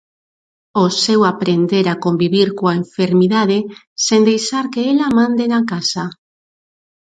O seu aprender a convivir coa enfermidade, sen deixar que ela mande na casa.